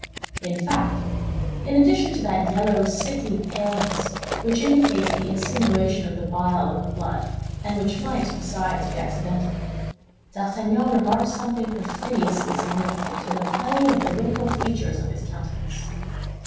In fact, in addition to that yellow, sickly paleness which indicates the insinuation of the bile in the blood, and which might, besides, be accidental, D'Artagnan remarked something perfidiously significant in the play of the wrinkled features of his countenance.